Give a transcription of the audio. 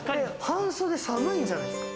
半袖、寒いんじゃないですか？